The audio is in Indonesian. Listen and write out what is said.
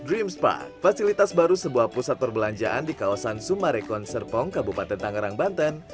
ini dia post dog dream spa fasilitas baru sebuah pusat perbelanjaan di kawasan sumarekon serpong kabupaten tangerang banten